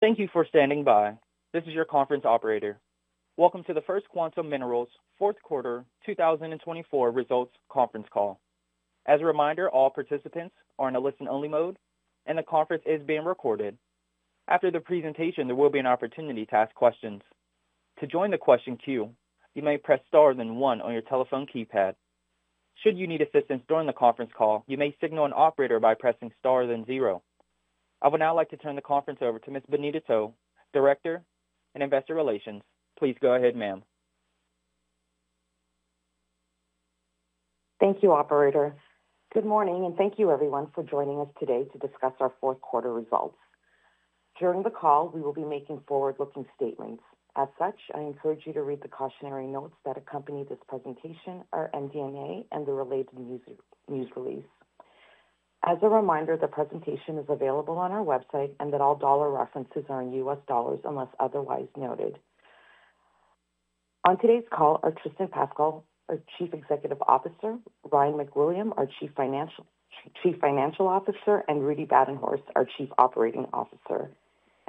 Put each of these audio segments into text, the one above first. Thank you for standing by. This is your conference operator. Welcome to the First Quantum Minerals Fourth Quarter 2024 Results Conference Call. As a reminder, all participants are in a listen-only mode, and the conference is being recorded. After the presentation, there will be an opportunity to ask questions. To join the question queue, you may press star then one on your telephone keypad. Should you need assistance during the conference call, you may signal an operator by pressing star then zero. I would now like to turn the conference over to Ms. Bonita To, Director and Investor Relations. Please go ahead, ma'am. Thank you, Operator. Good morning, and thank you, everyone, for joining us today to discuss our fourth quarter results. During the call, we will be making forward-looking statements. As such, I encourage you to read the cautionary notes that accompany this presentation, our MD&A, and the related news release. As a reminder, the presentation is available on our website and that all dollar references are in US dollars unless otherwise noted. On today's call are Tristan Pascall, our Chief Executive Officer, Ryan MacWilliam, our Chief Financial Officer, and Rudi Badenhorst, our Chief Operating Officer.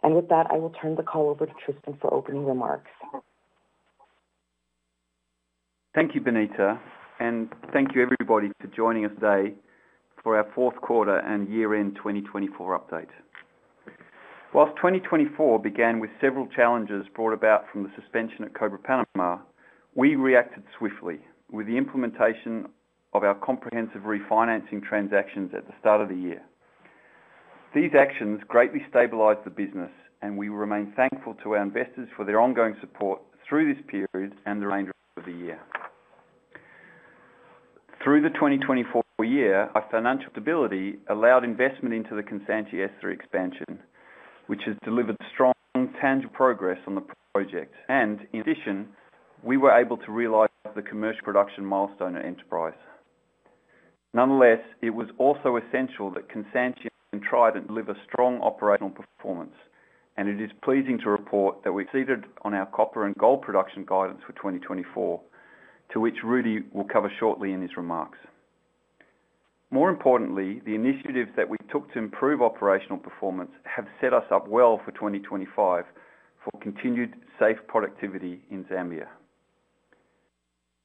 And with that, I will turn the call over to Tristan for opening remarks. Thank you, Bonita, and thank you, everybody, for joining us today for our fourth quarter and year-end 2024 update. While 2024 began with several challenges brought about from the suspension at Cobre Panamá, we reacted swiftly with the implementation of our comprehensive refinancing transactions at the start of the year. These actions greatly stabilized the business, and we remain thankful to our investors for their ongoing support through this period and the remainder of the year. Through the 2024 year, our financial stability allowed investment into the Kansanshi S3 Expansion, which has delivered strong tangible progress on the project. In addition, we were able to realize the commercial production milestone at Enterprise. Nonetheless, it was also essential that Kansanshi and Trident deliver strong operational performance, and it is pleasing to report that we exceeded on our copper and gold production guidance for 2024, to which Rudi will cover shortly in his remarks. More importantly, the initiatives that we took to improve operational performance have set us up well for 2025 for continued safe productivity in Zambia.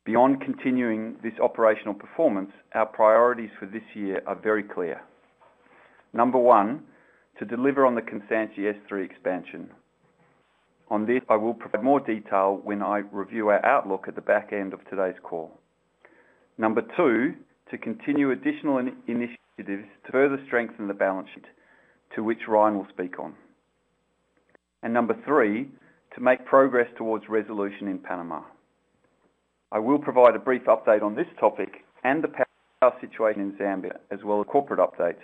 Beyond continuing this operational performance, our priorities for this year are very clear. Number one, to deliver on the Kansanshi S3 expansion. On this, I will provide more detail when I review our outlook at the back end of today's call. Number two, to continue additional initiatives to further strengthen the balance sheet, to which Ryan will speak on. And number three, to make progress towards resolution in Panama. I will provide a brief update on this topic and the situation in Zambia, as well as corporate updates,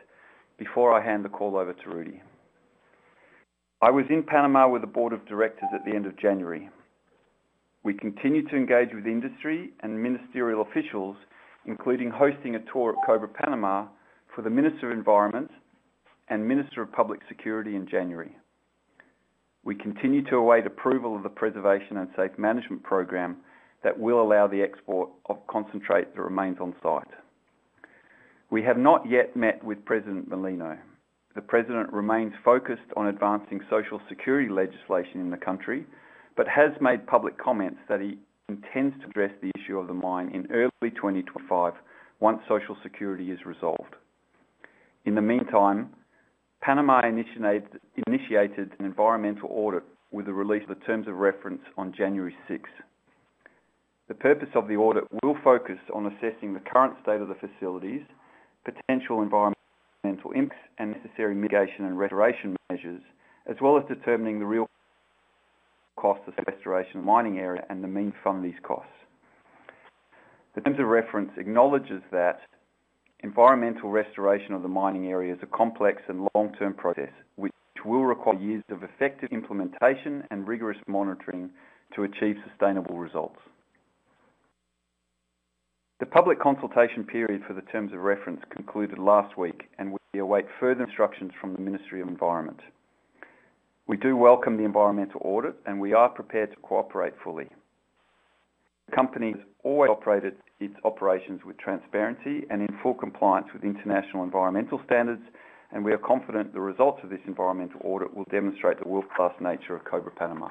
before I hand the call over to Rudi. I was in Panama with the Board of Directors at the end of January. We continue to engage with industry and ministerial officials, including hosting a tour at Cobre Panamá for the Minister of Environment and Minister of Public Security in January. We continue to await approval of the Preservation and Safe Management Program that will allow the export of concentrate that remains on site. We have not yet met with President Mulino. The President remains focused on advancing Social Security legislation in the country but has made public comments that he intends to address the issue of the mine in early 2025, once Social Security is resolved. In the meantime, Panama initiated an environmental audit with a release of the Terms of Reference on January 6th. The purpose of the audit will focus on assessing the current state of the facilities, potential environmental implications, and necessary mitigation and restoration measures, as well as determining the real cost of restoration of the mining area and the means to fund these costs. The Terms of Reference acknowledge that environmental restoration of the mining area is a complex and long-term process which will require years of effective implementation and rigorous monitoring to achieve sustainable results. The public consultation period for the Terms of Reference concluded last week, and we await further instructions from the Ministry of Environment. We do welcome the environmental audit, and we are prepared to cooperate fully. The company has always operated its operations with transparency and in full compliance with international environmental standards, and we are confident the results of this environmental audit will demonstrate the world-class nature of Cobre Panamá.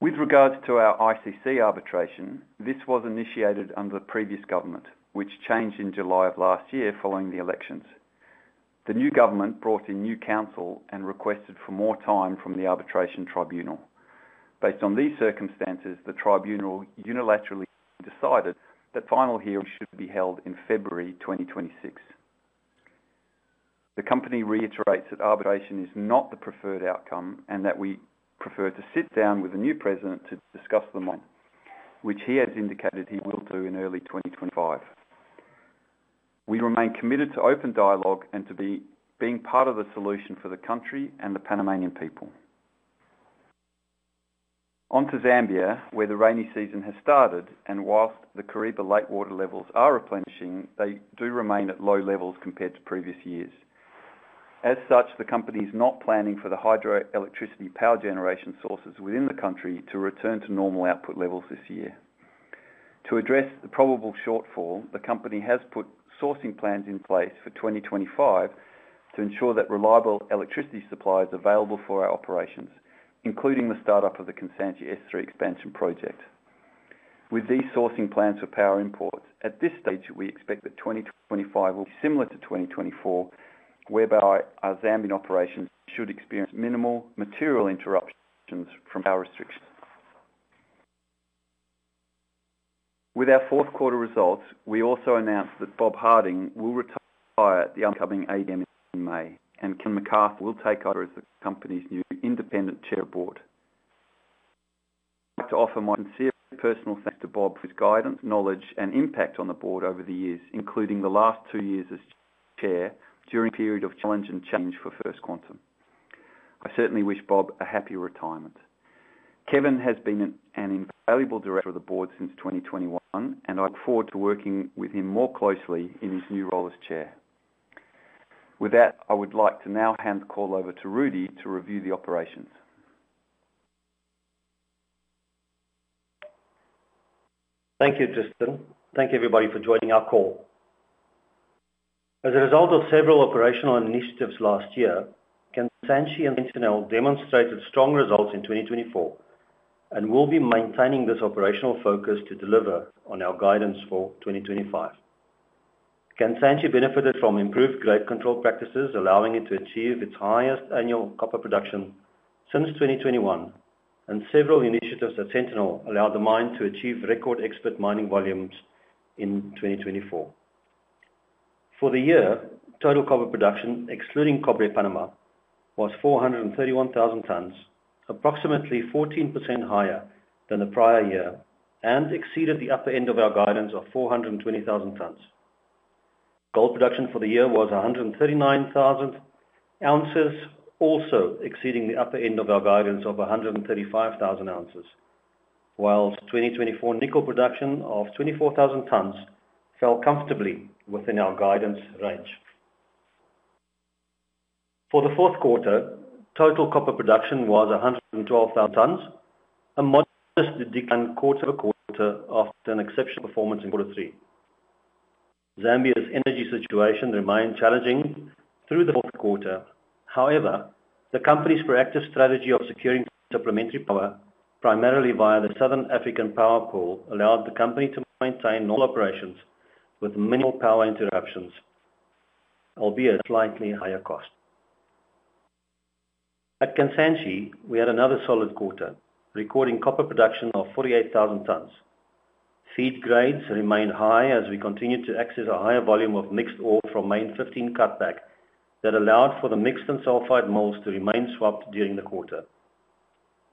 With regards to our ICC arbitration, this was initiated under the previous government, which changed in July of last year following the elections. The new government brought in new counsel and requested for more time from the arbitration tribunal. Based on these circumstances, the tribunal unilaterally decided that final hearings should be held in February 2026. The company reiterates that arbitration is not the preferred outcome and that we prefer to sit down with a new President to discuss the mine, which he has indicated he will do in early 2025. We remain committed to open dialogue and to being part of the solution for the country and the Panamanian people. On to Zambia, where the rainy season has started, and whilst the Lake Kariba water levels are replenishing, they do remain at low levels compared to previous years. As such, the company is not planning for the hydroelectricity power generation sources within the country to return to normal output levels this year. To address the probable shortfall, the company has put sourcing plans in place for 2025 to ensure that reliable electricity supply is available for our operations, including the startup of the Kansanshi S3 expansion project. With these sourcing plans for power imports, at this stage, we expect that 2025 will be similar to 2024, whereby our Zambian operations should experience minimal material interruptions from power restrictions. With our fourth quarter results, we also announced that Bob Harding will retire at the upcoming AGM in May, and Ken McCarthy will take over as the company's new independent Chair of the Board. I'd like to offer my sincere personal thanks to Bob for his guidance, knowledge, and impact on the board over the years, including the last two years as Chair during a period of challenge and change for First Quantum. I certainly wish Bob a happy retirement. Ken has been an invaluable director of the board since 2021, and I look forward to working with him more closely in his new role as Chair. With that, I would like to now hand the call over to Rudi to review the operations. Thank you, Tristan. Thank you, everybody, for joining our call. As a result of several operational initiatives last year, Kansanshi and Sentinel demonstrated strong results in 2024 and will be maintaining this operational focus to deliver on our guidance for 2025. Kansanshi benefited from improved grade control practices, allowing it to achieve its highest annual copper production since 2021, and several initiatives at Sentinel allowed the mine to achieve record excavated mining volumes in 2024. For the year, total copper production, excluding Cobre Panamá, was 431,000 tonnes, approximately 14% higher than the prior year, and exceeded the upper end of our guidance of 420,000 tonnes. Gold production for the year was 139,000 ounces, also exceeding the upper end of our guidance of 135,000 ounces, while 2024 nickel production of 24,000 tonnes fell comfortably within our guidance range. For the fourth quarter, total copper production was 112,000 tonnes, a modest decline, quarter-over-quarter, after an exceptional performance in quarter three. Zambia's energy situation remained challenging through the fourth quarter. However, the company's proactive strategy of securing supplementary power, primarily via the Southern African Power Pool, allowed the company to maintain normal operations with minimal power interruptions, albeit at slightly higher cost. At Kansanshi, we had another solid quarter, recording copper production of 48,000 tonnes. Feed grades remained high as we continued to access a higher volume of mixed ore from Main 15 Cutback that allowed for the mixed and sulphide mills to remain swapped during the quarter.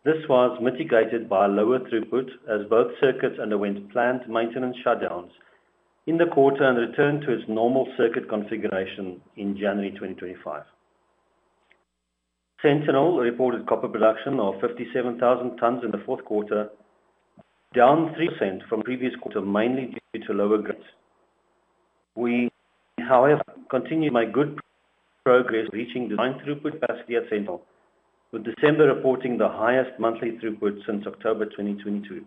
This was mitigated by a lower throughput as both circuits underwent planned maintenance shutdowns in the quarter and returned to its normal circuit configuration in January 2025. Sentinel reported copper production of 57,000 tonnes in the fourth quarter, down 3% from previous quarter, mainly due to lower grades. We, however, continued to make good progress, reaching the design throughput capacity at Sentinel, with December reporting the highest monthly throughput since October 2022.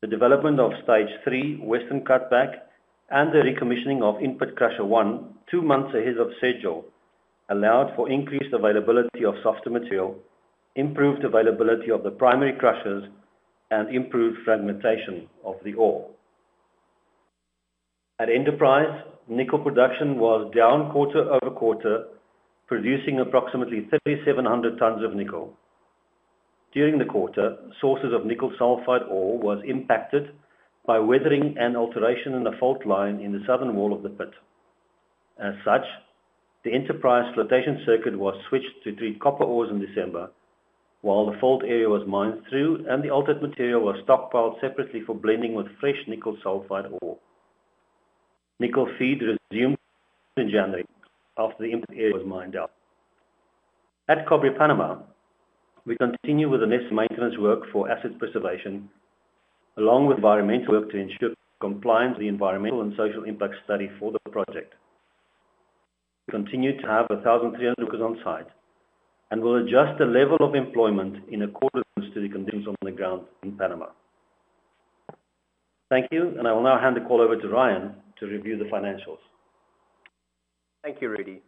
The development of Stage 3, Western Cutback, and the recommissioning of In-Pit Crusher 1, two months ahead of schedule, allowed for increased availability of softer material, improved availability of the primary crushers, and improved fragmentation of the ore. At Enterprise, nickel production was down quarter-over-quarter, producing approximately 3,700 tonnes of nickel. During the quarter, sources of nickel sulphide ore were impacted by weathering and alteration in the fault line in the southern wall of the pit. As such, the Enterprise flotation circuit was switched to treat copper ores in December, while the fault area was mined through and the altered material was stockpiled separately for blending with fresh nickel sulphide ore. Nickel feed resumed in January after the impacted area was mined out. At Cobre Panamá, we continue with the next maintenance work for asset preservation, along with environmental work to ensure compliance with the environmental and social impact study for the project. We continue to have 1,300 workers on site and will adjust the level of employment in accordance to the conditions on the ground in Panama. Thank you, and I will now hand the call over to Ryan to review the financials. Thank you, Rudi.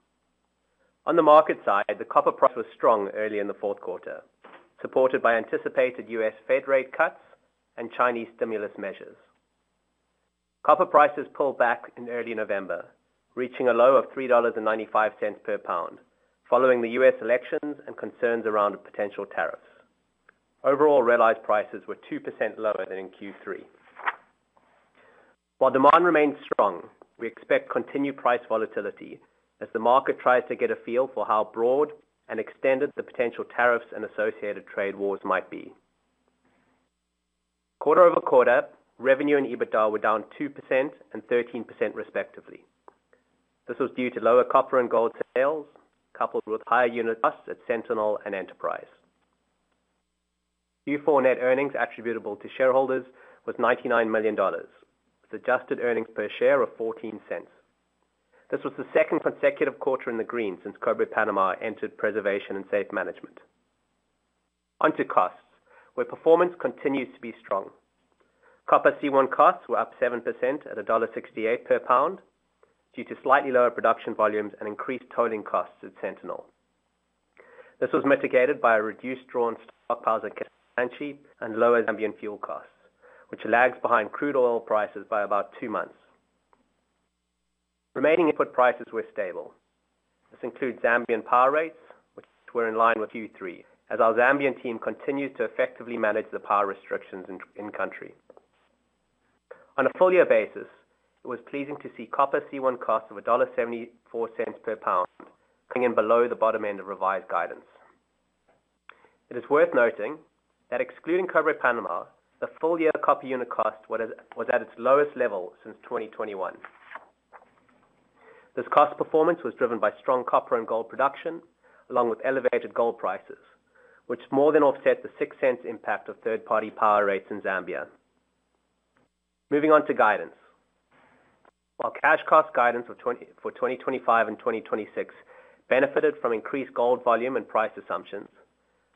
On the market side, the copper price was strong early in the fourth quarter, supported by anticipated U.S. Fed rate cuts and Chinese stimulus measures. Copper prices pulled back in early November, reaching a low of $3.95 per pound following the U.S. elections and concerns around potential tariffs. Overall, realized prices were 2% lower than in Q3. While demand remains strong, we expect continued price volatility as the market tries to get a feel for how broad and extended the potential tariffs and associated trade wars might be. Quarter-over-quarter, revenue and EBITDA were down 2% and 13%, respectively. This was due to lower copper and gold sales, coupled with higher unit costs at Sentinel and Enterprise. Q4 net earnings attributable to shareholders was $99 million, with adjusted earnings per share of $0.14. This was the second consecutive quarter in the green since Cobre Panamá entered preservation and safe management. Onto costs, where performance continues to be strong. Copper C1 costs were up 7% at $1.68 per pound due to slightly lower production volumes and increased tolling costs at Sentinel. This was mitigated by a reduced drawn stockpile at Kansanshi and lower Zambian fuel costs, which lags behind crude oil prices by about two months. Remaining input prices were stable. This includes Zambian power rates, which were in line with Q3, as our Zambian team continues to effectively manage the power restrictions in-country. On a full-year basis, it was pleasing to see copper C1 costs of $1.74 per pound, coming in below the bottom end of revised guidance. It is worth noting that, excluding Cobre Panamá, the full-year copper unit cost was at its lowest level since 2021. This cost performance was driven by strong copper and gold production, along with elevated gold prices, which more than offset the 6 cents impact of third-party power rates in Zambia. Moving on to guidance. While cash cost guidance for 2025 and 2026 benefited from increased gold volume and price assumptions,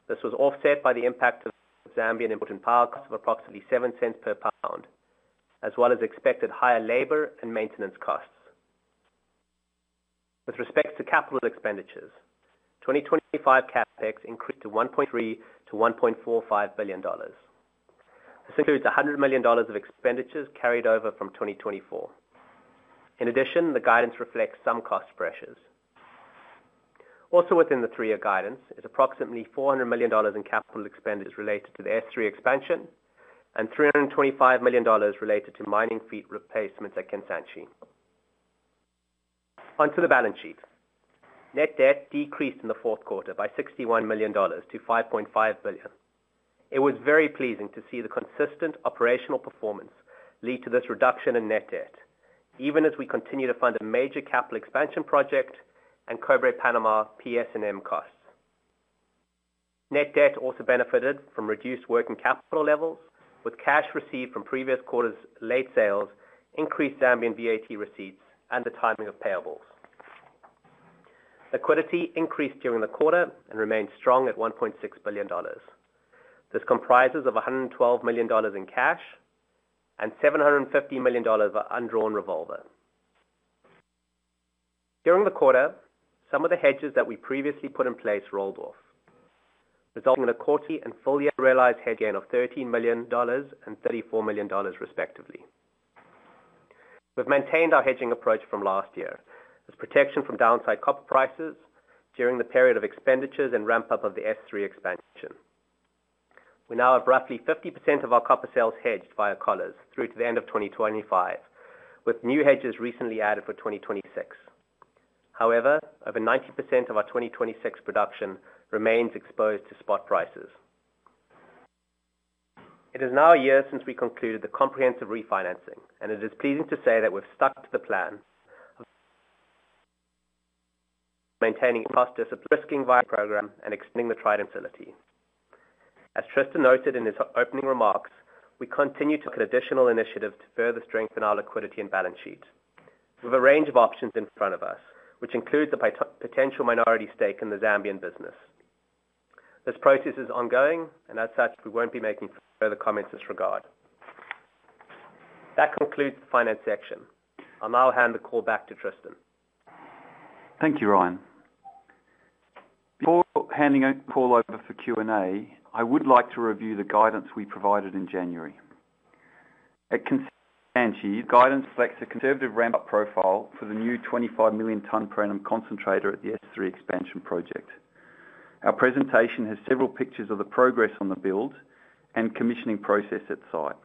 this was offset by the impact of Zambian imported power costs of approximately 7 cents per pound, as well as expected higher labor and maintenance costs. With respect to capital expenditures, 2025 CapEx increased to $1.3-$1.45 billion. This includes $100 million of expenditures carried over from 2024. In addition, the guidance reflects some cost pressures. Also within the three-year guidance is approximately $400 million in capital expenditures related to the S3 expansion and $325 million related to mining feed replacements at Kansanshi. Onto the balance sheet. Net debt decreased in the fourth quarter by $61 million to $5.5 billion. It was very pleasing to see the consistent operational performance lead to this reduction in net debt, even as we continue to fund a major capital expansion project and Cobre Panamá P&SM costs. Net debt also benefited from reduced working capital levels, with cash received from previous quarter's late sales, increased Zambian VAT receipts, and the timing of payables. Liquidity increased during the quarter and remained strong at $1.6 billion. This comprises $112 million in cash and $750 million for undrawn revolver. During the quarter, some of the hedges that we previously put in place rolled off, resulting in a quarterly and full-year realized hedge gain of $13 million and $34 million, respectively. We've maintained our hedging approach from last year as protection from downside copper prices during the period of expenditures and ramp-up of the S3 expansion. We now have roughly 50% of our copper sales hedged via collars through to the end of 2025, with new hedges recently added for 2026. However, over 90% of our 2026 production remains exposed to spot prices. It is now a year since we concluded the comprehensive refinancing, and it is pleasing to say that we've stuck to the plan of maintaining cost-discipline, executing our program, and extending the trade facility. As Tristan noted in his opening remarks, we continue to look at additional initiatives to further strengthen our liquidity and balance sheet. We have a range of options in front of us, which includes the potential minority stake in the Zambian business. This process is ongoing, and as such, we won't be making further comments in this regard. That concludes the finance section. I'll now hand the call back to Tristan. Thank you, Ryan. Before handing the call over for Q&A, I would like to review the guidance we provided in January. At Kansanshi, guidance reflects a conservative ramp-up profile for the new 25 million-tonne per annum concentrator at the S3 expansion project. Our presentation has several pictures of the progress on the build and commissioning process at site.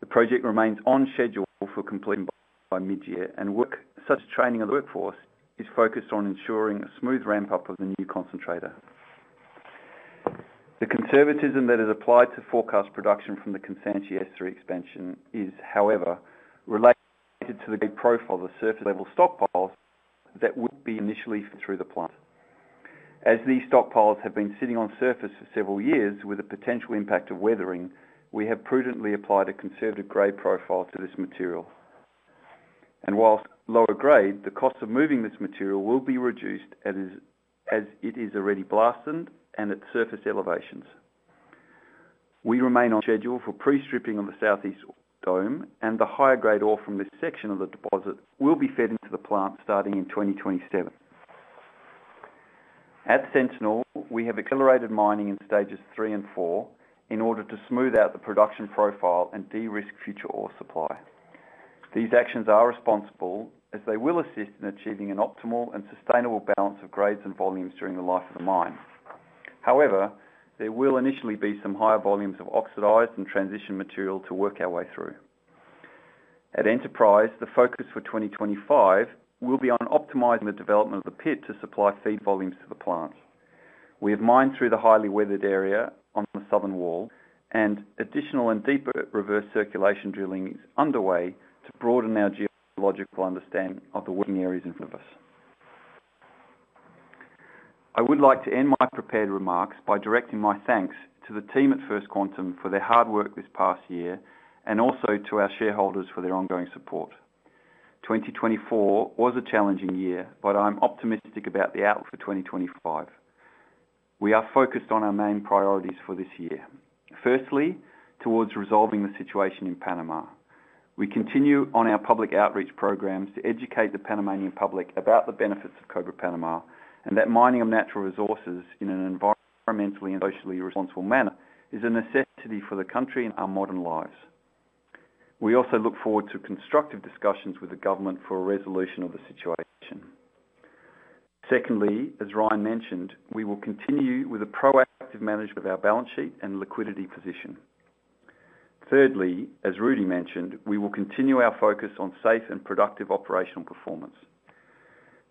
The project remains on schedule for completion by mid-year, and work such as training of the workforce is focused on ensuring a smooth ramp-up of the new concentrator. The conservatism that is applied to forecast production from the Kansanshi S3 expansion is, however, related to the profile of the surface-level stockpiles that will be initially through the plant. As these stockpiles have been sitting on surface for several years, with the potential impact of weathering, we have prudently applied a conservative grade profile to this material. While lower grade, the cost of moving this material will be reduced as it is already blasted and at surface elevations. We remain on schedule for pre-stripping of the South East Dome, and the higher-grade ore from this section of the deposit will be fed into the plant starting in 2027. At Sentinel, we have accelerated mining in Stages 3 and 4 in order to smooth out the production profile and de-risk future ore supply. These actions are responsible as they will assist in achieving an optimal and sustainable balance of grades and volumes during the life of the mine. However, there will initially be some higher volumes of oxidized and transition material to work our way through. At Enterprise, the focus for 2025 will be on optimizing the development of the pit to supply feed volumes to the plant. We have mined through the highly weathered area on the southern wall, and additional and deeper reverse circulation drilling is underway to broaden our geological understanding of the working areas in front of us. I would like to end my prepared remarks by directing my thanks to the team at First Quantum for their hard work this past year and also to our shareholders for their ongoing support. 2024 was a challenging year, but I'm optimistic about the outlook for 2025. We are focused on our main priorities for this year. Firstly, towards resolving the situation in Panama. We continue on our public outreach programs to educate the Panamanian public about the benefits of Cobre Panamá and that mining of natural resources in an environmentally and socially responsible manner is a necessity for the country and our modern lives. We also look forward to constructive discussions with the government for a resolution of the situation. Secondly, as Ryan mentioned, we will continue with a proactive management of our balance sheet and liquidity position. Thirdly, as Rudi mentioned, we will continue our focus on safe and productive operational performance.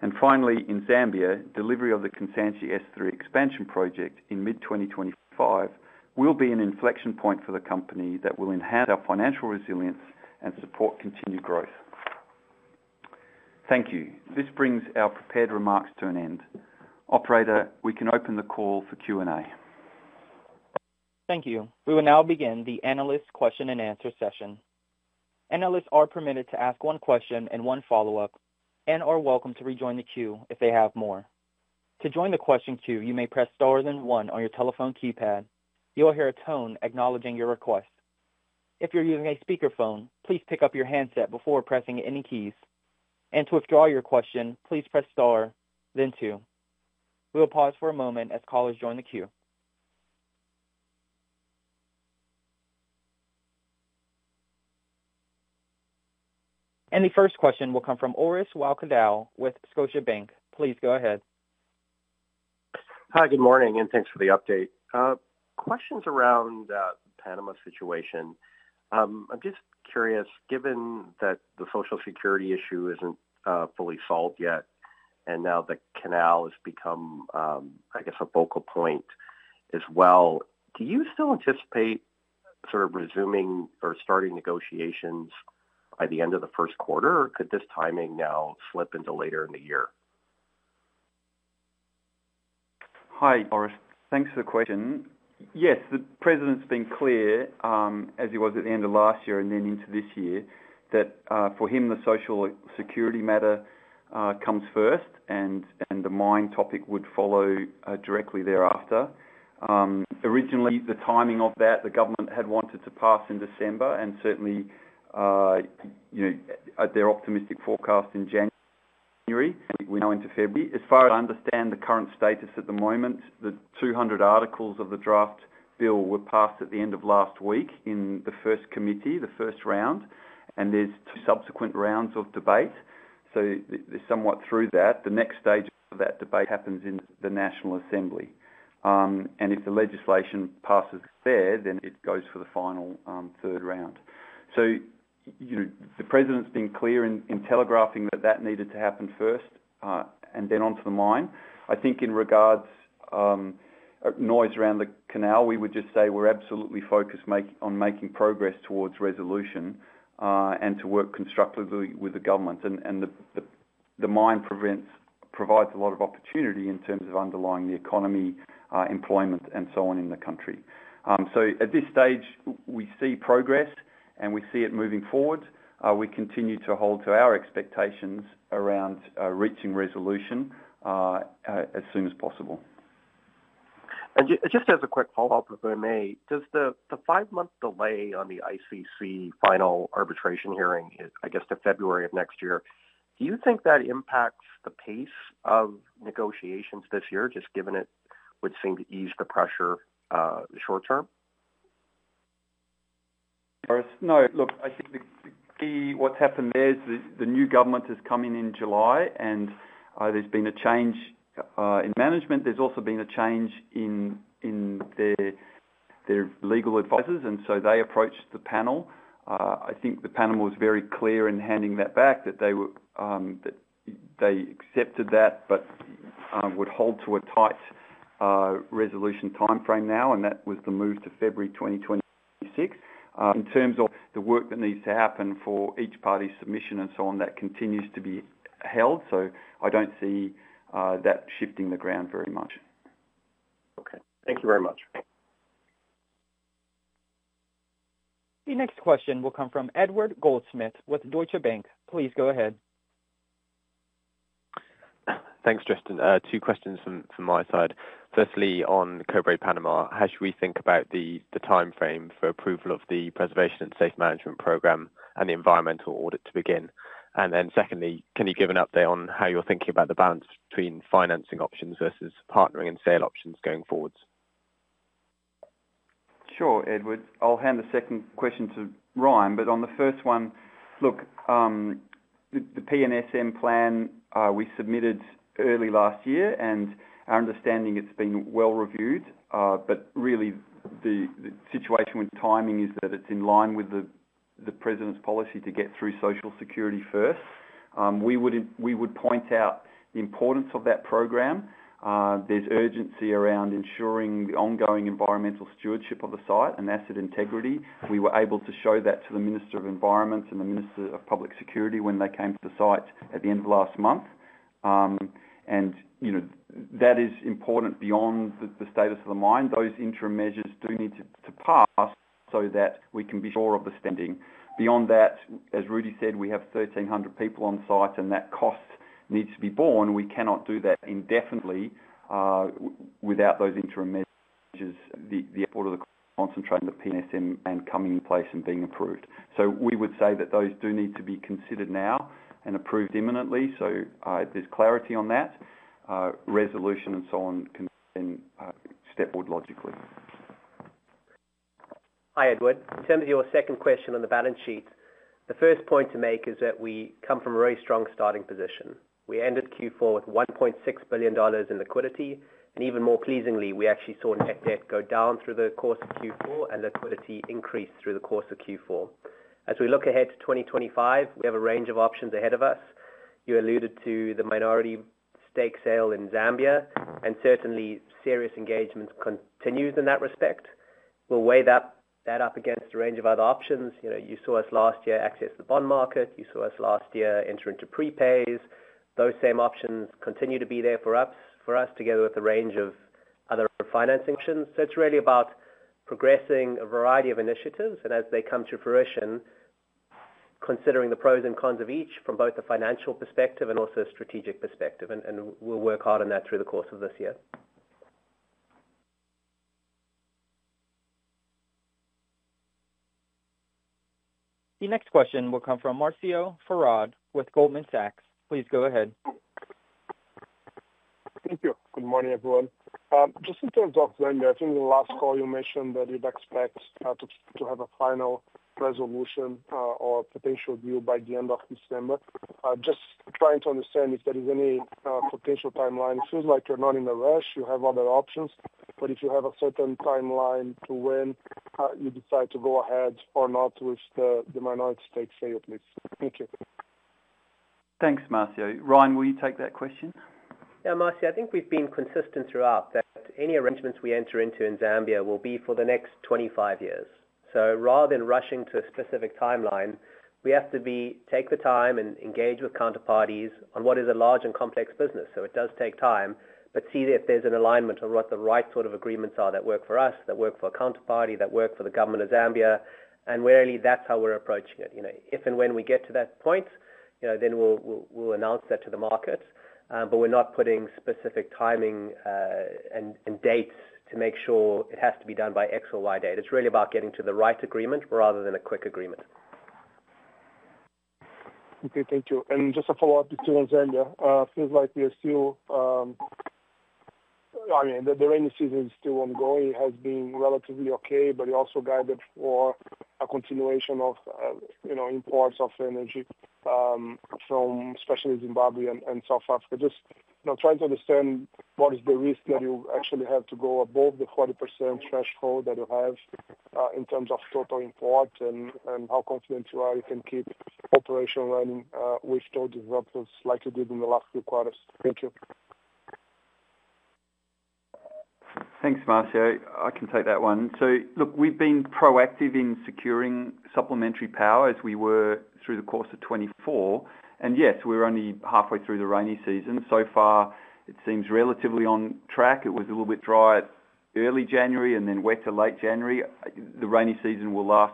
And finally, in Zambia, delivery of the Kansanshi S3 expansion project in mid-2025 will be an inflection point for the company that will enhance our financial resilience and support continued growth. Thank you. This brings our prepared remarks to an end. Operator, we can open the call for Q&A. Thank you. We will now begin the analyst question and answer session. Analysts are permitted to ask one question and one follow-up and are welcome to rejoin the queue if they have more. To join the question queue, you may press star then one on your telephone keypad. You'll hear a tone acknowledging your request. If you're using a speakerphone, please pick up your handset before pressing any keys. To withdraw your question, please press star, then two. We will pause for a moment as callers join the queue. The first question will come from Orest Wowkodaw with Scotiabank. Please go ahead. Hi, good morning, and thanks for the update. Questions around the Panama situation. I'm just curious, given that the Social Security issue isn't fully solved yet and now the canal has become, I guess, a focal point as well, do you still anticipate sort of resuming or starting negotiations by the end of the first quarter, or could this timing now slip into later in the year? Hi, Orest. Thanks for the question. Yes, the president's been clear, as he was at the end of last year and then into this year, that for him, the Social Security matter comes first, and the mine topic would follow directly thereafter. Originally, the timing of that, the government had wanted to pass in December, and certainly, their optimistic forecast in January, and we know into February. As far as I understand, the current status at the moment, the 200 articles of the draft bill were passed at the end of last week in the first committee, the first round, and there's two subsequent rounds of debate. So somewhat through that, the next stage of that debate happens in the National Assembly. And if the legislation passes there, then it goes for the final third round. So the president's been clear in telegraphing that that needed to happen first and then onto the mine. I think in regards to noise around the canal, we would just say we're absolutely focused on making progress towards resolution and to work constructively with the government. And the mine provides a lot of opportunity in terms of underlying the economy, employment, and so on in the country. So at this stage, we see progress, and we see it moving forward. We continue to hold to our expectations around reaching resolution as soon as possible. Just as a quick follow-up for me, does the five-month delay on the ICC final arbitration hearing, I guess, to February of next year, do you think that impacts the pace of negotiations this year, just given it would seem to ease the pressure short-term? No, look, I think what's happened there is the new government is coming in July, and there's been a change in management. There's also been a change in their legal advisors, and so they approached the panel. I think the panel was very clear in handing that back, that they accepted that but would hold to a tight resolution timeframe now, and that was the move to February 2026. In terms of the work that needs to happen for each party's submission and so on, that continues to be held. So I don't see that shifting the ground very much. Okay. Thank you very much. The next question will come from Edward Goldsmith with Deutsche Bank. Please go ahead. Thanks, Tristan. Two questions from my side. Firstly, on Cobre Panamá, how should we think about the timeframe for approval of the Preservation and Safe Management Program and the environmental audit to begin? And then secondly, can you give an update on how you're thinking about the balance between financing options versus partnering and sale options going forwards? Sure, Edward. I'll hand the second question to Ryan, but on the first one, look, the P&SM plan we submitted early last year, and our understanding it's been well reviewed. But really, the situation with timing is that it's in line with the president's policy to get through Social Security first. We would point out the importance of that program. There's urgency around ensuring the ongoing environmental stewardship of the site and asset integrity. We were able to show that to the Minister of Environment and the Minister of Public Security when they came to the site at the end of last month, and that is important beyond the status of the mine. Those interim measures do need to pass so that we can be sure of the spending. Beyond that, as Rudi said, we have 1,300 people on site, and that cost needs to be borne. We cannot do that indefinitely without those interim measures, the import of the concentrator, the P&SM plan coming in place and being approved. So we would say that those do need to be considered now and approved imminently. So there's clarity on that. Resolution and so on can then step forward logically. Hi, Edward. In terms of your second question on the balance sheet, the first point to make is that we come from a very strong starting position. We ended Q4 with $1.6 billion in liquidity. And even more pleasingly, we actually saw net debt go down through the course of Q4 and liquidity increase through the course of Q4. As we look ahead to 2025, we have a range of options ahead of us. You alluded to the minority stake sale in Zambia, and certainly, serious engagement continues in that respect. We'll weigh that up against a range of other options. You saw us last year access the bond market. You saw us last year enter into prepays. Those same options continue to be there for us, together with a range of other financing options. It's really about progressing a variety of initiatives, and as they come to fruition, considering the pros and cons of each from both the financial perspective and also a strategic perspective. We'll work hard on that through the course of this year. The next question will come from Marcio Farid with Goldman Sachs. Please go ahead. Thank you. Good morning, everyone. Just in terms of the last call, you mentioned that you'd expect to have a final resolution or potential deal by the end of December. Just trying to understand if there is any potential timeline. It feels like you're not in a rush. You have other options. But if you have a certain timeline to when you decide to go ahead or not with the minority stake sale, please. Thank you. Thanks, Marcio. Ryan, will you take that question? Yeah, Marcio, I think we've been consistent throughout that any arrangements we enter into in Zambia will be for the next 25 years. So rather than rushing to a specific timeline, we have to take the time and engage with counterparties on what is a large and complex business. So it does take time, but see if there's an alignment on what the right sort of agreements are that work for us, that work for a counterparty, that work for the government of Zambia. And really, that's how we're approaching it. If and when we get to that point, then we'll announce that to the market. But we're not putting specific timing and dates to make sure it has to be done by X or Y date. It's really about getting to the right agreement rather than a quick agreement. Okay, thank you. And just a follow-up to Zambia. It feels like we are still, I mean, the rainy season is still ongoing. It has been relatively okay, but you're also guided for a continuation of imports of energy from especially Zimbabwe and South Africa. Just trying to understand what is the risk that you actually have to go above the 40% threshold that you have in terms of total import and how confident you are you can keep operation running with those developers like you did in the last few quarters? Thank you. Thanks, Marcio. I can take that one. So look, we've been proactive in securing supplementary power as we were through the course of 2024. And yes, we're only halfway through the rainy season. So far, it seems relatively on track. It was a little bit drier early January and then wetter late January. The rainy season will last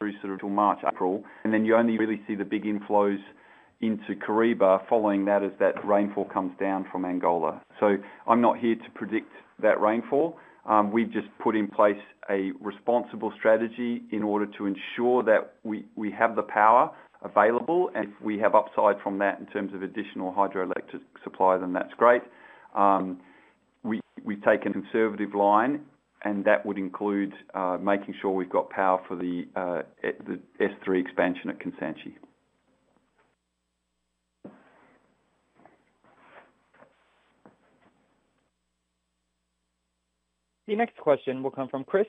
through sort of March, April. And then you only really see the big inflows into Kariba following that as that rainfall comes down from Angola. So I'm not here to predict that rainfall. We just put in place a responsible strategy in order to ensure that we have the power available. And if we have upside from that in terms of additional hydroelectric supply, then that's great. We've taken a conservative line, and that would include making sure we've got power for the S3 expansion at Kansanshi. The next question will come from Chris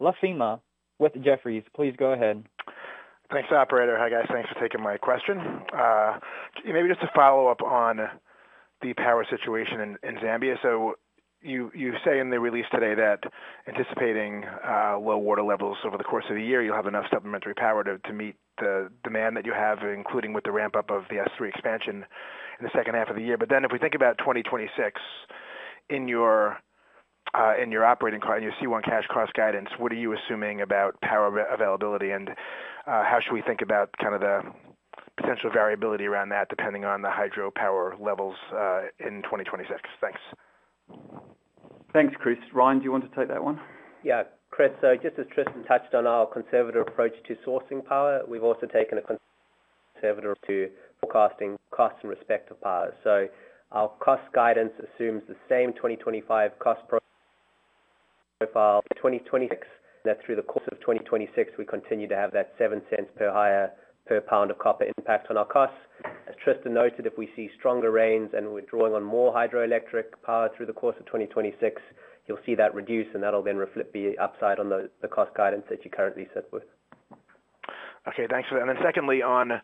LaFemina with Jefferies. Please go ahead. Thanks, Operator. Hi, guys. Thanks for taking my question. Maybe just to follow up on the power situation in Zambia. So you say in the release today that anticipating low water levels over the course of the year, you'll have enough supplementary power to meet the demand that you have, including with the ramp-up of the S3 expansion in the second half of the year. But then if we think about 2026 in your operating card and your C1 Cash Costs guidance, what are you assuming about power availability? And how should we think about kind of the potential variability around that depending on the hydro power levels in 2026? Thanks. Thanks, Chris. Ryan, do you want to take that one? Yeah. Chris, so just as Tristan touched on our conservative approach to sourcing power, we've also taken a conservative approach to forecasting costs in respect of power. So our cost guidance assumes the same 2025 cost profile in 2026, and that through the course of 2026, we continue to have that $0.07 higher per pound of copper impact on our costs. As Tristan noted, if we see stronger rains and we're drawing on more hydroelectric power through the course of 2026, you'll see that reduce, and that'll then reflect the upside on the cost guidance that you currently set forth. Okay, thanks for that. And then secondly, on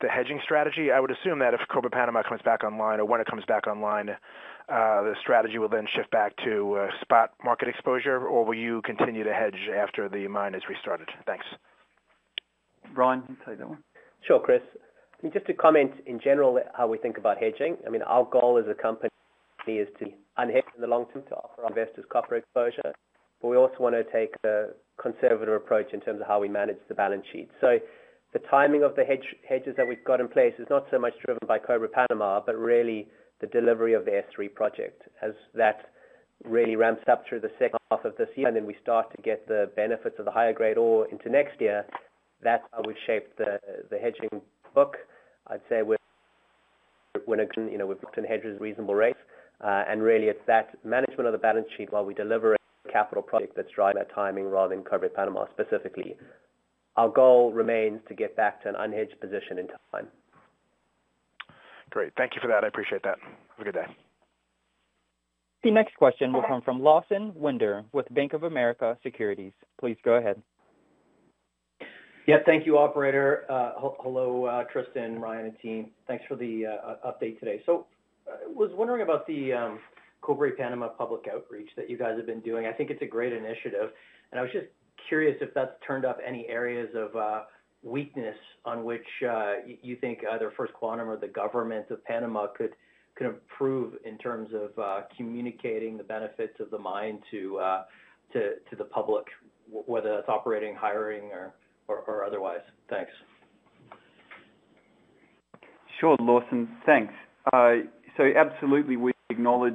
the hedging strategy, I would assume that if Cobre Panamá comes back online or when it comes back online, the strategy will then shift back to spot market exposure, or will you continue to hedge after the mine is restarted? Thanks. Ryan, you can take that one. Sure, Chris. Just to comment in general how we think about hedging. I mean, our goal as a company is to unhedge in the long term to offer our investors copper exposure. But we also want to take a conservative approach in terms of how we manage the balance sheet. So the timing of the hedges that we've got in place is not so much driven by Cobre Panamá, but really the delivery of the S3 project. As that really ramps up through the second half of this year and then we start to get the benefits of the higher grade ore into next year, that's how we've shaped the hedging book. I'd say we're in a good position. We've locked in hedges at a reasonable rate. Really, it's that management of the balance sheet while we deliver a capital project that's driving that timing rather than Cobre Panamá specifically. Our goal remains to get back to an unhedged position in time. Great. Thank you for that. I appreciate that. Have a good day. The next question will come from Lawson Winder with Bank of America Securities. Please go ahead. Yeah, thank you, Operator. Hello, Tristan, Ryan, and team. Thanks for the update today. So I was wondering about the Cobre Panamá public outreach that you guys have been doing. I think it's a great initiative. And I was just curious if that's turned up any areas of weakness on which you think either First Quantum or the government of Panama could improve in terms of communicating the benefits of the mine to the public, whether that's operating, hiring, or otherwise. Thanks. Sure, Lawson. Thanks. So absolutely, we acknowledge,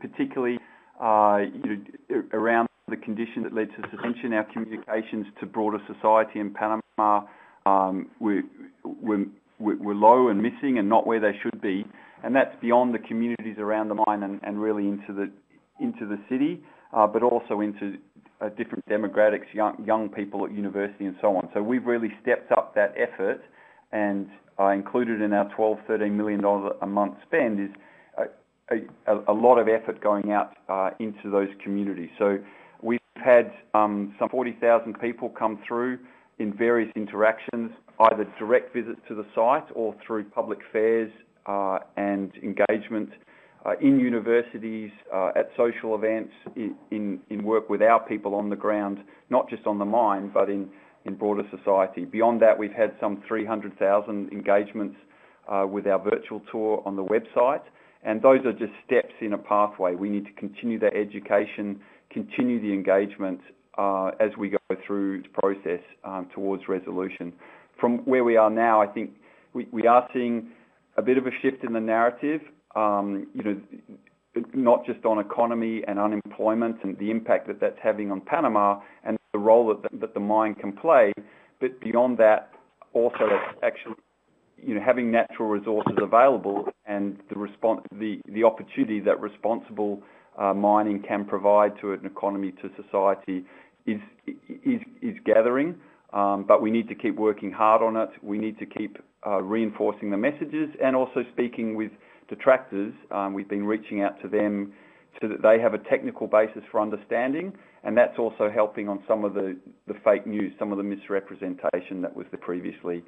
particularly around the condition that leads to suspension in our communications to broader society in Panama, we're low on messaging and not where they should be. And that's beyond the communities around the mine and really into the city, but also into different demographics, young people at university, and so on. So we've really stepped up that effort and included in our $12-$13 million a month spend is a lot of effort going out into those communities. So we've had some 40,000 people come through in various interactions, either direct visits to the site or through public fairs and engagements in universities, at social events, in work with our people on the ground, not just on the mine, but in broader society. Beyond that, we've had some 300,000 engagements with our virtual tour on the website. And those are just steps in a pathway. We need to continue the education, continue the engagement as we go through this process towards resolution. From where we are now, I think we are seeing a bit of a shift in the narrative, not just on economy and unemployment and the impact that that's having on Panama and the role that the mine can play, but beyond that, also actually having natural resources available and the opportunity that responsible mining can provide to an economy, to society, is gathering, but we need to keep working hard on it. We need to keep reinforcing the messages and also speaking with detractors. We've been reaching out to them so that they have a technical basis for understanding, and that's also helping on some of the fake news, some of the misrepresentation that was there previously,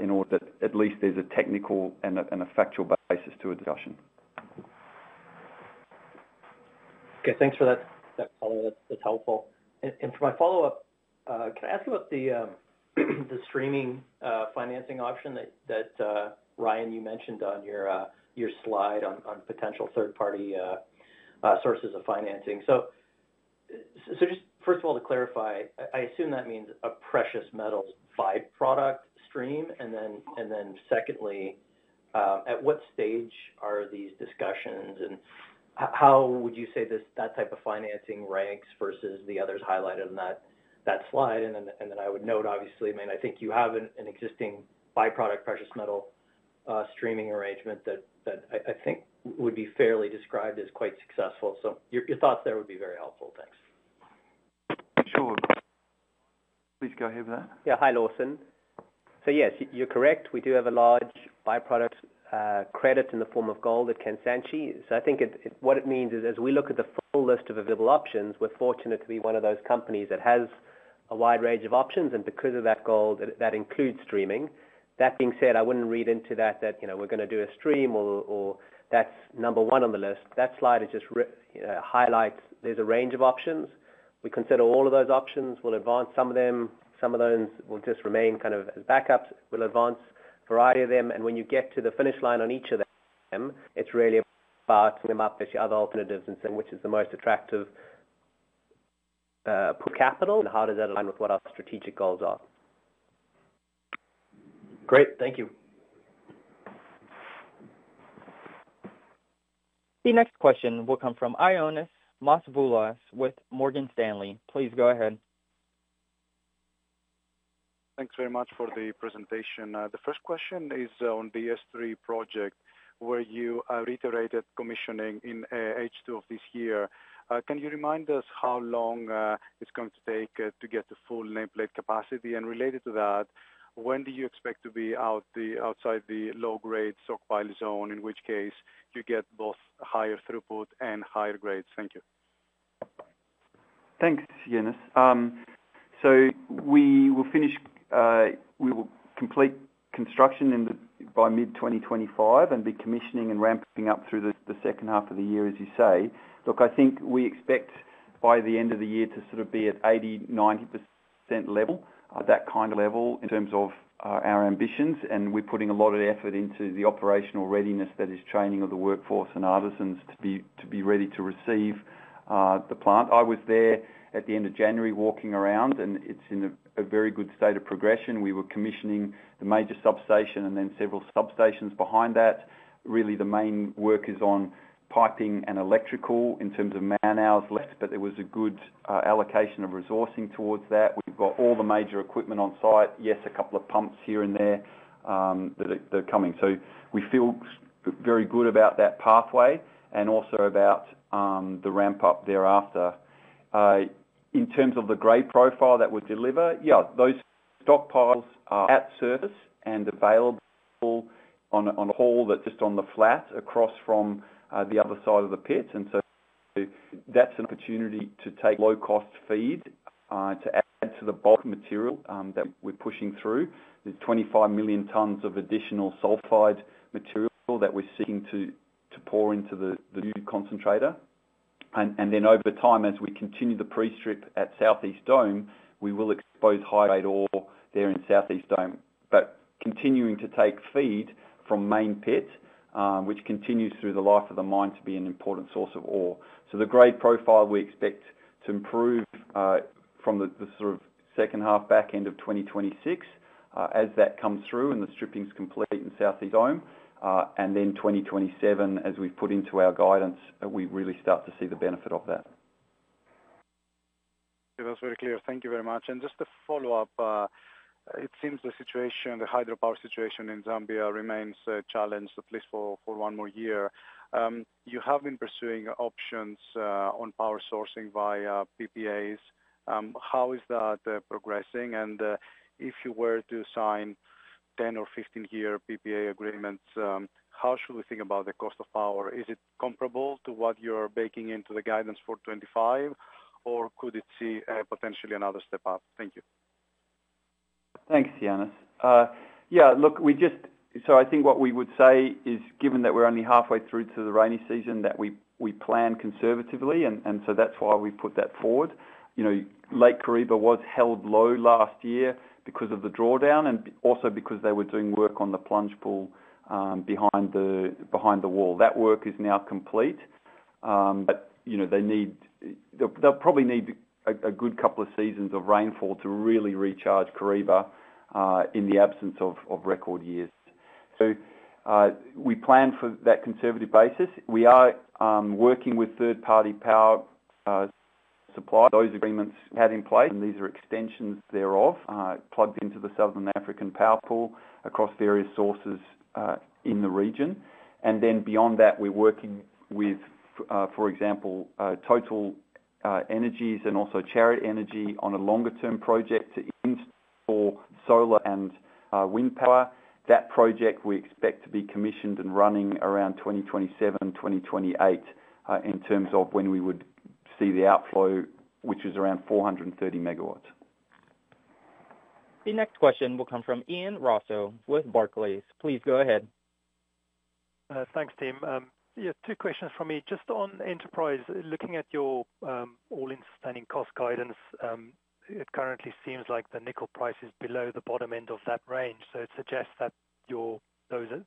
in order that at least there's a technical and a factual basis to a discussion. Okay, thanks for that follow-up. That's helpful. For my follow-up, can I ask about the streaming financing option that, Ryan, you mentioned on your slide on potential third-party sources of financing? So just first of all, to clarify, I assume that means a precious metals byproduct stream. Then secondly, at what stage are these discussions? And how would you say that type of financing ranks versus the others highlighted on that slide? Then I would note, obviously, I mean, I think you have an existing byproduct precious metal streaming arrangement that I think would be fairly described as quite successful. So your thoughts there would be very helpful. Thanks. Ryan. Please go ahead with that. Yeah, hi, Lawson. So yes, you're correct. We do have a large byproduct credit in the form of gold at Kansanshi. So I think what it means is as we look at the full list of available options, we're fortunate to be one of those companies that has a wide range of options. And because of that gold, that includes streaming. That being said, I wouldn't read into that that we're going to do a stream or that's number one on the list. That slide just highlights there's a range of options. We consider all of those options. We'll advance some of them. Some of those will just remain kind of as backups. We'll advance a variety of them. When you get to the finish line on each of them, it's really about summing up the other alternatives and saying which is the most attractive capital and how does that align with what our strategic goals are. Great. Thank you. The next question will come from Ioannis Masvoulas with Morgan Stanley. Please go ahead. Thanks very much for the presentation. The first question is on the S3 project where you reiterated commissioning in H2 of this year. Can you remind us how long it's going to take to get to full nameplate capacity? And related to that, when do you expect to be outside the low-grade stockpile zone, in which case you get both higher throughput and higher grades? Thank you. Thanks, Ioannis. So we will complete construction by mid-2025 and be commissioning and ramping up through the second half of the year, as you say. Look, I think we expect by the end of the year to sort of be at 80%-90% level, that kind of level in terms of our ambitions. And we're putting a lot of effort into the operational readiness that is training of the workforce and artisans to be ready to receive the plant. I was there at the end of January walking around, and it's in a very good state of progression. We were commissioning the major substation and then several substations behind that. Really, the main work is on piping and electrical in terms of man-hours left, but there was a good allocation of resourcing towards that. We've got all the major equipment on site. Yes, a couple of pumps here and there that are coming. So we feel very good about that pathway and also about the ramp-up thereafter. In terms of the grade profile that we deliver, yeah, those stockpiles are at surface and available on a haul that's just on the flat across from the other side of the pit. And so that's an opportunity to take low-cost feed to add to the bulk material that we're pushing through. There's 25 million tonnes of additional sulphide material that we're seeking to pour into the new concentrator. And then over time, as we continue the pre-strip at South East Dome, we will expose high-grade ore there in South East Dome, but continuing to take feed from main pit, which continues through the life of the mine to be an important source of ore. So the grade profile we expect to improve from the sort of second half, back end of 2026 as that comes through and the stripping's complete in South East Dome. And then 2027, as we've put into our guidance, we really start to see the benefit of that. Yeah, that's very clear. Thank you very much. And just to follow up, it seems the situation, the hydropower situation in Zambia remains challenged, at least for one more year. You have been pursuing options on power sourcing via PPAs. How is that progressing? And if you were to sign 10- or 15-year PPA agreements, how should we think about the cost of power? Is it comparable to what you're baking into the guidance for 2025, or could it see potentially another step up? Thank you. Thanks, Ioannis. Yeah, look, we just so I think what we would say is, given that we're only halfway through to the rainy season, that we plan conservatively, and so that's why we've put that forward. Lake Kariba was held low last year because of the drawdown and also because they were doing work on the plunge pool behind the wall. That work is now complete. But they'll probably need a good couple of seasons of rainfall to really recharge Kariba in the absence of record years, so we plan for that conservative basis. We are working with third-party power suppliers. Those agreements have in place, and these are extensions thereof, plugged into the Southern African Power Pool across various sources in the region. And then beyond that, we're working with, for example, TotalEnergies and also Chariot on a longer-term project to install solar and wind power. That project we expect to be commissioned and running around 2027, 2028 in terms of when we would see the outflow, which is around 430 megawatts. The next question will come from Ian Rossouw with Barclays. Please go ahead. Thanks, team. Yeah, two questions from me. Just on Enterprise, looking at your All-In Sustaining Cost guidance, it currently seems like the nickel price is below the bottom end of that range. So it suggests that the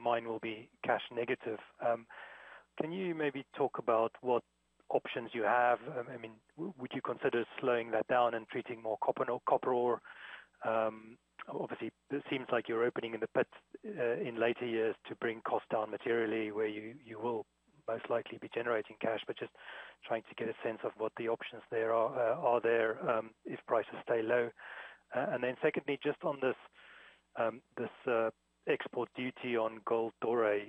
mine will be cash negative. Can you maybe talk about what options you have? I mean, would you consider slowing that down and treating more copper ore? Obviously, it seems like you're opening in the pits in later years to bring costs down materially where you will most likely be generating cash, but just trying to get a sense of what the options are there if prices stay low. And then secondly, just on this export duty on gold doré,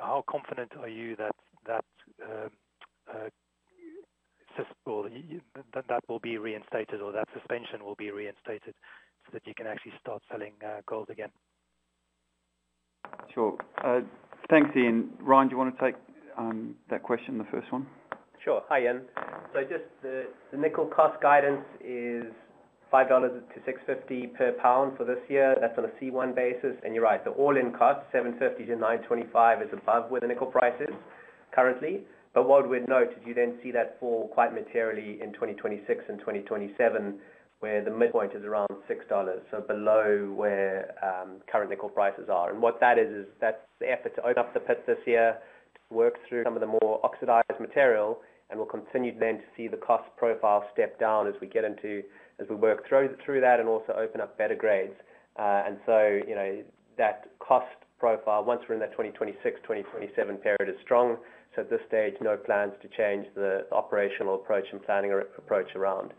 how confident are you that that will be reinstated or that suspension will be reinstated so that you can actually start selling gold again? Sure. Thanks, Ian. Ryan, do you want to take that question, the first one? Sure. Hi, Ian. So just the nickel cost guidance is $5-$6.50 per pound for this year. That's on a C1 basis. And you're right. The all-in cost, $7.50-$9.25, is above where the nickel price is currently. But what we'd note is you then see that fall quite materially in 2026 and 2027, where the midpoint is around $6, so below where current nickel prices are. And what that is, is that's the effort to open up the pits this year, work through some of the more oxidized material, and we'll continue then to see the cost profile step down as we get into work through that and also open up better grades. And so that cost profile, once we're in that 2026, 2027 period, is strong. So at this stage, no plans to change the operational approach and planning approach around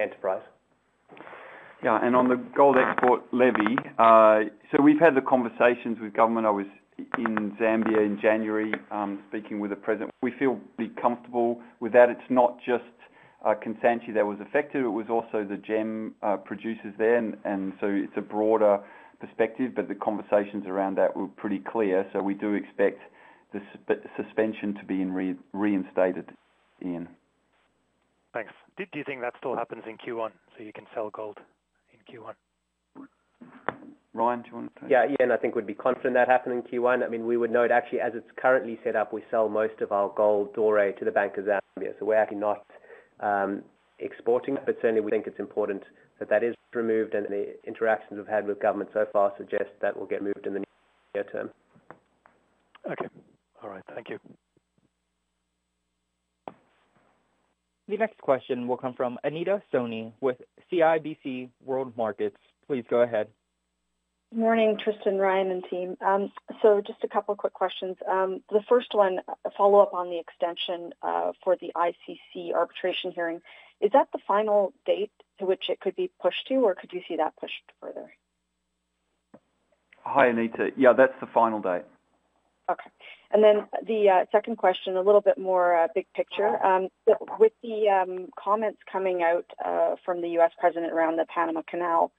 Enterprise. Yeah, and on the gold export levy, so we've had the conversations with government. I was in Zambia in January speaking with the president. We feel pretty comfortable with that. It's not just Kansanshi that was affected. It was also the gem producers there. And so it's a broader perspective, but the conversations around that were pretty clear. So we do expect the suspension to be reinstated, Ian. Thanks. Do you think that still happens in Q1, so you can sell gold in Q1? Ryan, do you want to take? Yeah, Ian, I think we'd be confident that happened in Q1. I mean, we would note actually, as it's currently set up, we sell most of our gold doré to the Bank of Zambia, so we're actually not exporting. But certainly, we think it's important that that is removed, and the interactions we've had with government so far suggest that will get moved in the near term. Okay. All right. Thank you. The next question will come from Anita Soni with CIBC World Markets. Please go ahead. Good morning, Tristan, Ryan, and team. So just a couple of quick questions. The first one, a follow-up on the extension for the ICC arbitration hearing. Is that the final date to which it could be pushed to, or could you see that pushed further? Hi, Anita. Yeah, that's the final date. Okay. And then the second question, a little bit more big picture. With the comments coming out from the US president around the Panama Canal,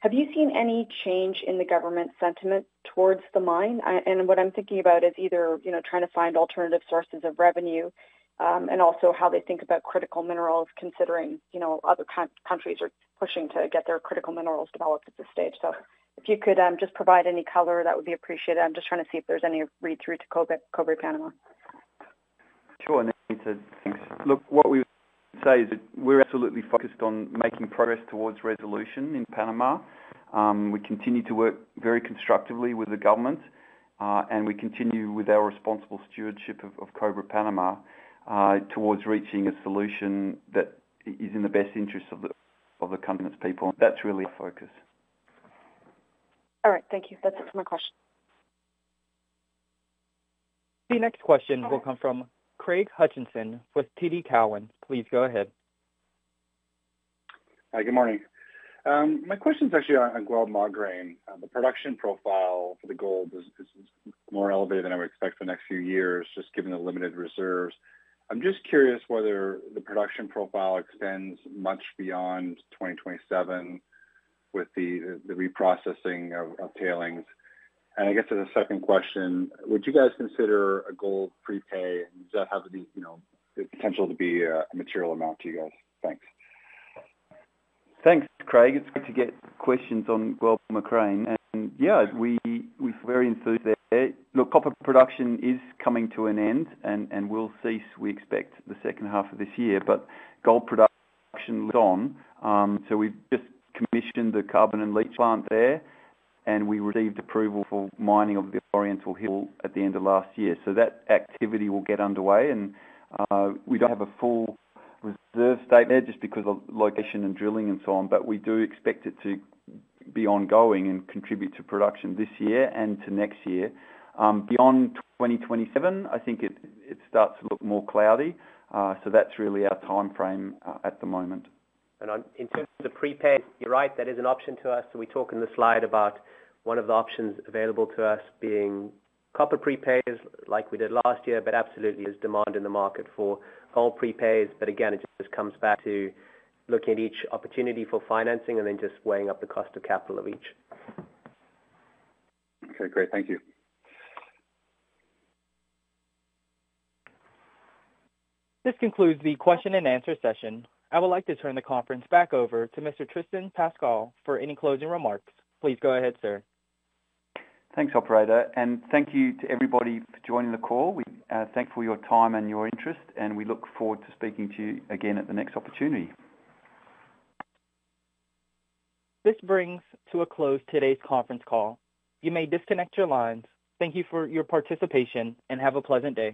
have you seen any change in the government sentiment towards the mine? And what I'm thinking about is either trying to find alternative sources of revenue and also how they think about critical minerals considering other countries are pushing to get their critical minerals developed at this stage. So if you could just provide any color, that would be appreciated. I'm just trying to see if there's any read-through to Cobre Panamá. Sure, Anita. Thanks. Look, what we would say is that we're absolutely focused on making progress towards resolution in Panama. We continue to work very constructively with the government, and we continue with our responsible stewardship of Cobre Panamá towards reaching a solution that is in the best interest of the continent's people. That's really our focus. All right. Thank you. That's it for my questions. The next question will come from Craig Hutchison with TD Cowen. Please go ahead. Hi, good morning. My questions actually are on Guelb Moghrein. The production profile for the gold is more elevated than I would expect for the next few years, just given the limited reserves. I'm just curious whether the production profile extends much beyond 2027 with the reprocessing of tailings. And I guess as a second question, would you guys consider a gold prepay? Does that have the potential to be a material amount to you guys? Thanks. Thanks, Craig. It's great to get questions on Guelb Moghrein. And yeah, we're very enthused there. Look, copper production is coming to an end, and we'll cease, we expect, the second half of this year. But gold production lives on. So we've just commissioned the carbon-in-leach plant there, and we received approval for mining of the Oriental Hill at the end of last year. So that activity will get underway. And we don't have a full reserve state there just because of location and drilling and so on, but we do expect it to be ongoing and contribute to production this year and to next year. Beyond 2027, I think it starts to look more cloudy. So that's really our timeframe at the moment. And in terms of the prepay, you're right. That is an option to us. We talk in the slide about one of the options available to us being copper prepays like we did last year, but absolutely there's demand in the market for gold prepays. But again, it just comes back to looking at each opportunity for financing and then just weighing up the cost of capital of each. Okay, great. Thank you. This concludes the question and answer session. I would like to turn the conference back over to Mr. Tristan Pascall for any closing remarks. Please go ahead, sir. Thanks, Operator. And thank you to everybody for joining the call. We're thankful for your time and your interest, and we look forward to speaking to you again at the next opportunity. This brings to a close today's conference call. You may disconnect your lines. Thank you for your participation, and have a pleasant day.